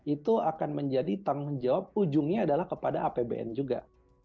itu akan menjadi tanggung jawab ujungnya adalah kepada apbn juga